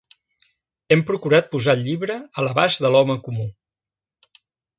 Hem procurat posar el llibre a l'abast de l'home comú.